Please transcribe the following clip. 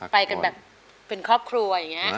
ไปกันแบบเป็นครอบครัวอย่างนี้